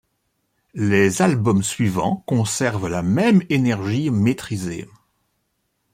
Les albums suivants conservent la même énergie maîtrisée.